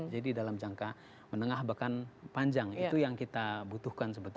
jadi dalam jangka menengah bahkan panjang itu yang kita butuhkan sebetulnya